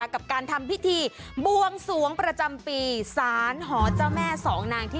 กับการทำพิธีบวงสวงประจำปีสารหอเจ้าแม่สองนางที่